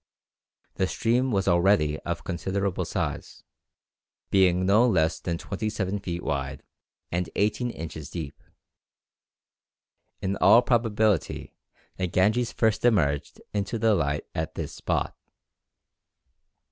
The stream was already of considerable size, being no less than twenty seven feet wide and eighteen inches deep. In all probability the Ganges first emerged into the light at this spot.